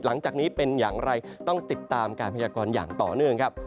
หลังจากนี้เป็นอย่างไรต้องติดตามการพยากรอย่างต่อเนื่องครับ